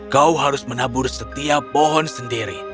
kau harus menabur setiap pohon sendiri